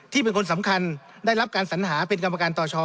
เป็นคนสำคัญได้รับการสัญหาเป็นกรรมการต่อชอ